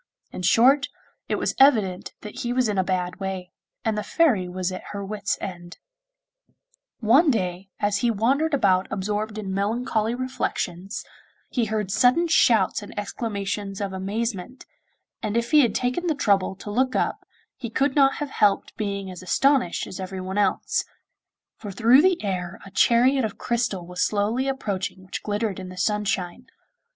In short, it was evident that he was in a bad way, and the Fairy was at her wits' end. One day, as he wandered about absorbed in melancholy reflections, he heard sudden shouts and exclamations of amazement, and if he had taken the trouble to look up he could not have helped being as astonished as everyone else, for through the air a chariot of crystal was slowly approaching which glittered in the sunshine.